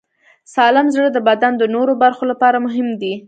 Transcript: سالم زړه د بدن د نورو برخو لپاره مهم دی.